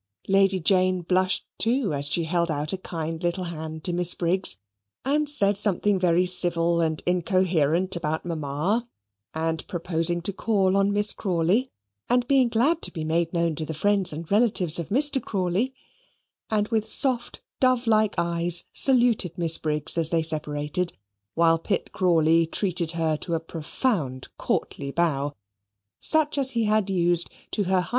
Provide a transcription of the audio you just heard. Lady Jane blushed too as she held out a kind little hand to Miss Briggs, and said something very civil and incoherent about mamma, and proposing to call on Miss Crawley, and being glad to be made known to the friends and relatives of Mr. Crawley; and with soft dove like eyes saluted Miss Briggs as they separated, while Pitt Crawley treated her to a profound courtly bow, such as he had used to H.H.